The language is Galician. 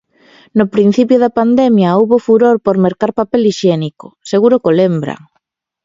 No principio da pandemia houbo furor por mercar papel hixiénico, seguro que o lembran.